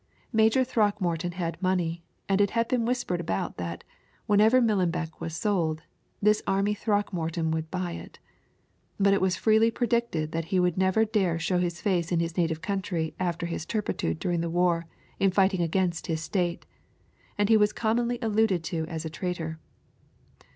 Major Throckmorton had money, and it had been whispered about that, whenever Millenbeck was sold, this army Throckmorton would buy it. But it was freely predicted that he would never dare show his face in his native county after his turpitude during the war in fighting against his State, and he was commonly alluded to as a traitor.